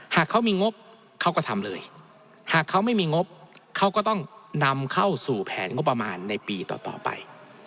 หากเขามีงบเขาก็ทำเลยหากเขาไม่มีงบเขาก็ต้องนำเข้าสู่แผนงบประมาณในปีต่อไป